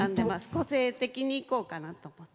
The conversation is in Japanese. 個性的にいこうかなと思って。